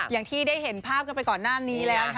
อย่างที่ได้เห็นภาพกันไปก่อนหน้านี้แล้วนะคะ